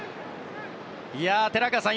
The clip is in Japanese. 寺川さん